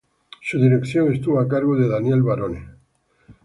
Su dirección estuvo a cargo de Daniel Barone.